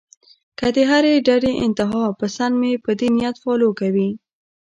کۀ د هرې ډډې انتها پسند مې پۀ دې نيت فالو کوي